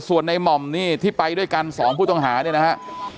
ส่วนในหม่อมนี่ที่ไปด้วยกันสองผู้ต้องหาเนี่ยนะฮะ